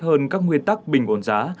hơn các nguyên tắc bình ổn giá